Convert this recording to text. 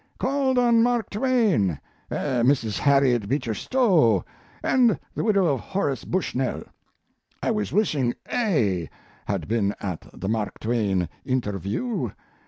Called on Mark Twain, Mrs. Harriet Beecher Stowe, and the widow of Horace Bushnell. I was wishing A had been at the Mark Twain interview.